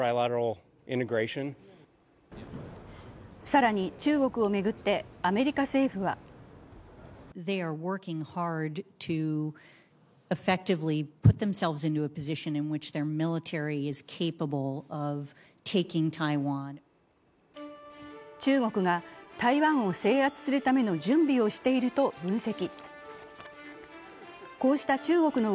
更に、中国を巡ってアメリカ政府は中国が、台湾を制圧するための準備をしていると分析。